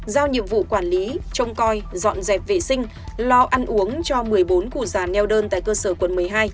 giao nhiệm vụ quản lý trông coi dọn dẹp vệ sinh lo ăn uống cho một mươi bốn cụ già neo đơn tại cơ sở quận một mươi hai